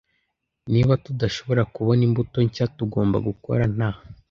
Niba tudashobora kubona imbuto nshya, tugomba gukora nta.